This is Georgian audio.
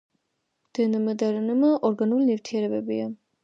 დნმ და რნმ ორგანული ნივთიერებებია